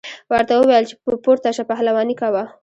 ورته وویل پورته شه پهلواني کوه.